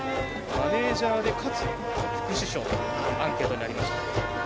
マネージャーで、かつ副主将とアンケートにありました。